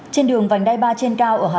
trên đường vành đai ba trên cao ở hà nội